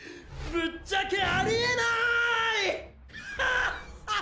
ぶっちゃけありえない！